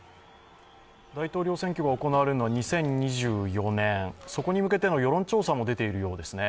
大統領選挙が行われるのは２０２４年、そこに向けての世論調査も出ているようですね。